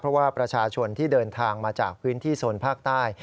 เพราะว่าประชาชนที่เดินทางมาจากพื้นที่โซนภาคใต้